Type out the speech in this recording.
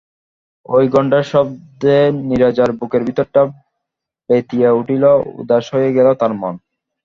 ঐ ঘণ্টার শব্দে নীরজার বুকের ভিতরটা ব্যথিয়ে উঠল, উদাস হয়ে গেল তার মন।